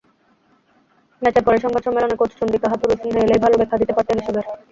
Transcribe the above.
ম্যাচের পরের সংবাদ সম্মেলনে কোচ চন্ডিকা হাথুরুসিংহে এলেই ভালো ব্যাখ্যা দিতে পারতেন এসবের।